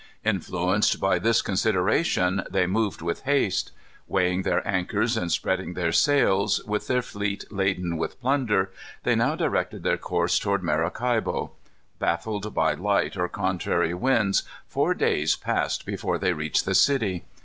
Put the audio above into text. Influenced by this consideration, they moved with haste. Weighing their anchors and spreading their sails, with their fleet laden with plunder, they now directed their course toward Maracaibo. Baffled by light or contrary winds, four days passed before they reached the city.